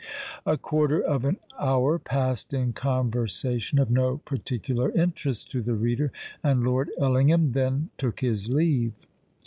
A quarter of an hour passed in conversation of no particular interest to the reader; and Lord Ellingham then took his leave.